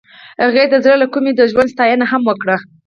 هغې د زړه له کومې د ژوند ستاینه هم وکړه.